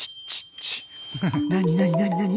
何何何何？